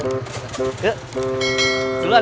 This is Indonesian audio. cibulan ya assalamualaikum